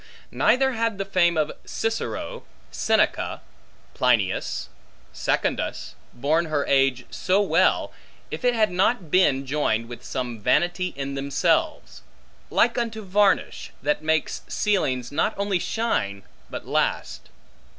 Neither had the fame of Cicero, Seneca, Plinius Secundus, borne her age so well, if it had not been joined with some vanity in themselves; like unto varnish, that makes ceilings not only shine but last.